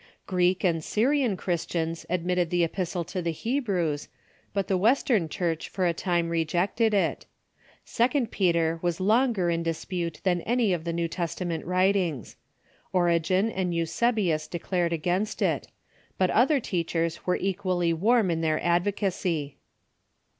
Greek and Syrian Christians admitted the Epistle to the Hebrews, but the Western Church for a time rejected it. Second Peter was longer in dispute than any of the New Testament writings. Origen and Eusebius declared against it ; but other teachers were equally warm in their advocacy.